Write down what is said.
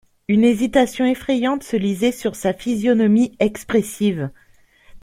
Une hésitation effrayante se lisait sur sa physionomie expressive.